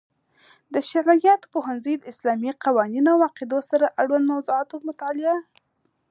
د شرعیاتو پوهنځی د اسلامي قوانینو او عقیدو سره اړوند موضوعاتو مطالعه کوي.